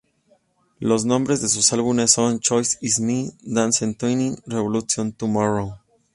Los nombres de sus álbumes son: "Chaos is Me", "Dance Tonight", "Revolution Tomorrow!